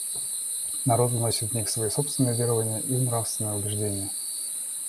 Народ вносит в них свои собственные верования и нравственные убеждения.